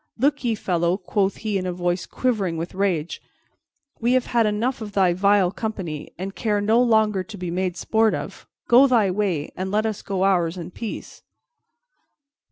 "Look ye, fellow," quoth he in a voice quivering with rage, "we have had enough of thy vile company, and care no longer to be made sport of. Go thy way, and let us go ours in peace."